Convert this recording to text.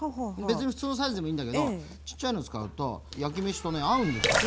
別に普通のサイズでもいいんだけどちっちゃいの使うと焼き飯とね合うんですよ。